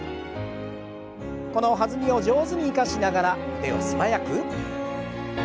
この弾みを上手に生かしながら腕を素早く。